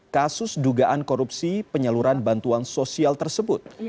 kasus dugaan korupsi penyaluran bantuan sosial tersebut